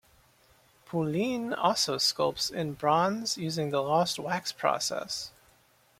Poulin also sculpts in bronze, using the lost wax process.